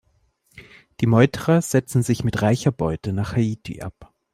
Die Meuterer setzten sich mit reicher Beute nach Haiti ab.